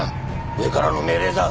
上からの命令だ。